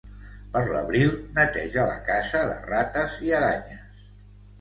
Per l'abril neteja la casa de rates i aranyes.